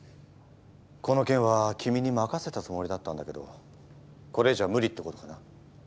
この件は君に任せたつもりだったんだけどこれ以上は無理ってことかな？